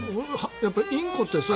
やっぱりインコって。